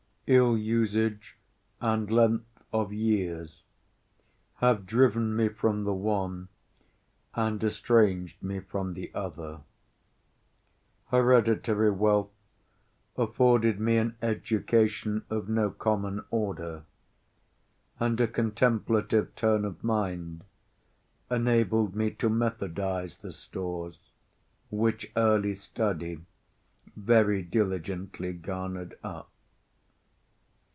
Ill usage and length of years have driven me from the one, and estranged me from the other. Hereditary wealth afforded me an education of no common order, and a contemplative turn of mind enabled me to methodize the stores which early study very diligently garnered up.